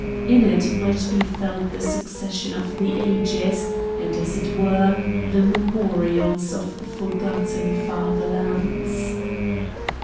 In it might be felt the succession of the ages, and, as it were, the memorials of forgotten fatherlands.